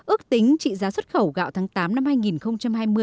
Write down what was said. ước tính trị giá xuất khẩu gạo tháng tám năm hai nghìn hai mươi